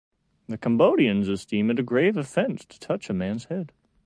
The Cambodians esteem it a grave offense to touch a man's head.